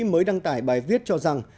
mới đăng tải bài viết cho rằng